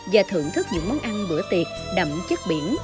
và thưởng thức những món ăn bữa tiệc đậm chất biển